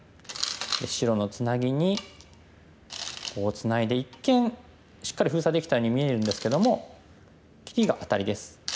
で白のツナギにこうツナいで一見しっかり封鎖できたように見えるんですけども切りがアタリです。